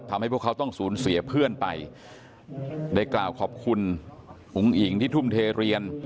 พวกเขาต้องสูญเสียเพื่อนไปได้กล่าวขอบคุณอุ๋งอิ๋งที่ทุ่มเทเรียน